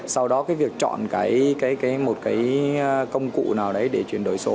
sau đó việc chọn một công cụ nào để chuyển đổi số